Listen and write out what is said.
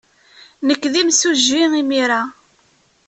Nekk d imsujji imir-a.